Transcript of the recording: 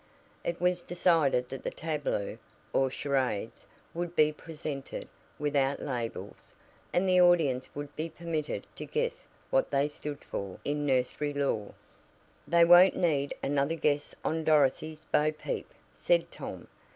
It was decided that the tableaux, or charades, would be presented "without labels," and the audience would be permitted to guess what they stood for in nursery lore. "They won't need another guess on Dorothy's 'Bo Peep,'" said Tom.